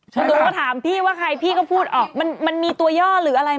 หนูก็ถามพี่ว่าใครพี่ก็พูดออกมันมีตัวย่อหรืออะไร